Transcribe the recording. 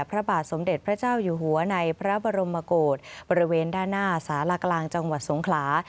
พระบาทสมเด็จพระเจ้าอยู่หัวในพระบรมโกศบริเวณด้านหน้าสารกลางจังหวัดสงขลา